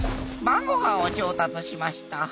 晩ご飯を調達しました。